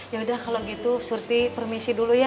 ya udah kalau gitu seperti permisi dulu ya